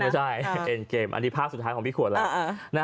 เอ็นเกมอันนี้ภาพสุดท้ายของพี่ขวดแล้ว